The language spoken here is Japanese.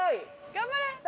頑張れ。